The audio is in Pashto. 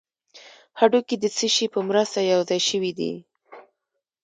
هډوکي د څه شي په مرسته یو ځای شوي دي